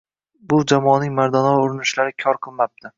Bu jamoaning mardonavor urinishlari kor qilmabdi.